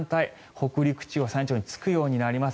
北陸地方、山陰地方につくようになります。